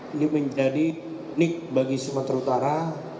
ini menjadi nik bagi sumatera utara